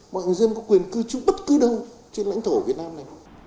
mọi người dân có quyền cư chung bất cứ đâu trên lãnh thổ việt nam này